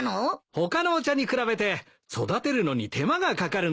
他のお茶に比べて育てるのに手間が掛かるんだ。